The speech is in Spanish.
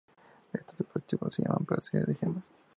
Estos depósitos se llaman "placeres de gemas".